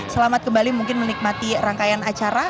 selamat kembali mungkin menikmati rangkaian acara